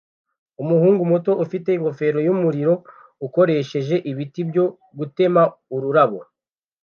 Umuhungu muto ufite ingofero yumuriro ukoresheje ibiti byo gutema ururabo